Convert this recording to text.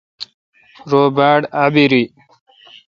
رو باڑ اعبیری۔